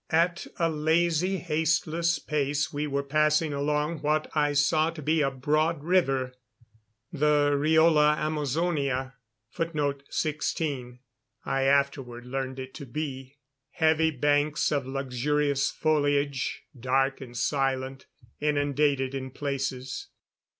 At a lazy hasteless pace, we were passing along what I saw to be a broad river. The Riola Amazonia I afterward learned it to be. Heavy banks of luxurious foliage, dark and silent. Inundated in places.